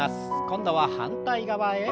今度は反対側へ。